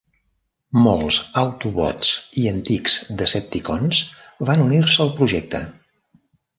Molts Autobots i antics Decepticons van unir-se al projecte.